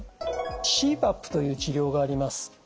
ＣＰＡＰという治療があります。